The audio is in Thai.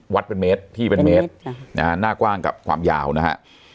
เป็นเมตรพี่เป็นเมตรนะฮะหน้ากว้างกับความยาวนะฮะ